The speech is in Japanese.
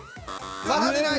まだ出ない。